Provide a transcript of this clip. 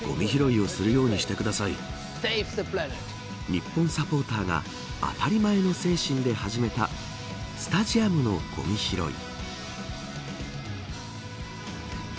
日本サポーターが当たり前の精神で始めたスタジアムのごみ拾い。